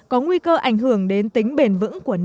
có nguy cơ ảnh hưởng đến tính bền vững của nợ công